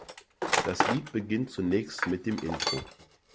Das Lied beginnt zunächst mit dem Intro.